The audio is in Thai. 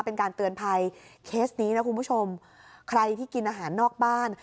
เป็นการเตือนภัยเคสนี้นะคุณผู้ชมใครที่กินอาหารนอกบ้าน